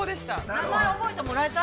◆名前覚えてもらった？